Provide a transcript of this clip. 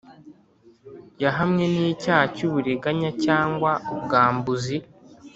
Yahamwe n’icyaha cy’uburiganya cyangwa ubwambuzi